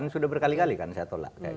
sudah berkali kali kan saya tolak